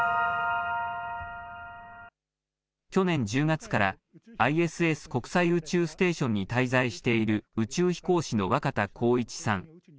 去年１０月からＩＳＳ・国際宇宙ステーションに滞在している宇宙飛行士の若田光一さん。